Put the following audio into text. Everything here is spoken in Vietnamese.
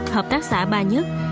hợp tác xã ba nhất